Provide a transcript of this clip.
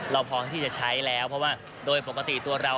เราพร้อมที่จะใช้แล้วเพราะว่าโดยปกติตัวเรา